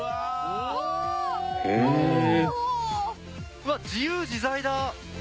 うわっ自由自在だ！